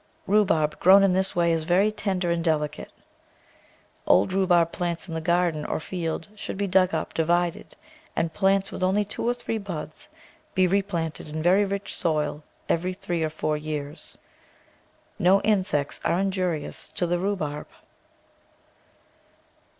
Rhubarb grown in this way is very tender and delicate. Old rhubarb plants in the garden or field should be dug up, divided, and plants with only two or three buds be replanted in very rich soil every tliree or four years. No insects are injurious to the rhubarb.